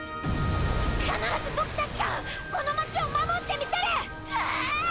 必ずボクたちがこの街を守ってみせる！！はああぁぁ！！